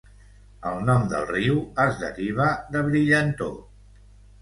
El nom del riu es deriva de 'brillantor'.